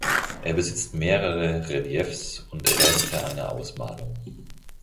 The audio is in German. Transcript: Er besitzt mehrere Reliefs und Reste einer Ausmalung.